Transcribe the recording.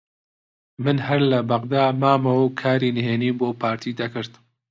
من هەر لە بەغدا مامەوە و کاری نهێنیم بۆ پارتی دەکرد